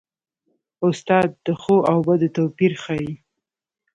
استاد د ښو او بدو توپیر ښيي.